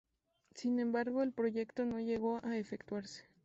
Sin embargo, el proyecto no llegó a efectuarse.